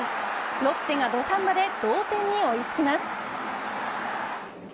ロッテが土壇場で同点に追い付きます。